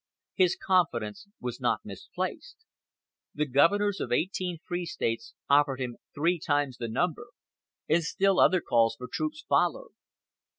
His confidence was not misplaced. The governors of eighteen free States offered him three times the number, and still other calls for troops followed.